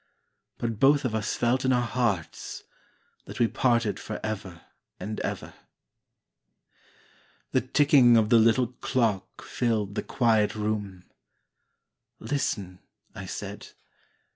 But both of us felt in our hearts That we parted for ever and ever. The ticking of the little clock filled the quiet room. "Listen," I said.